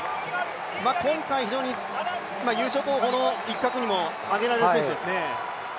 今回、非常に優勝候補の一角にも挙げられる選手ですね。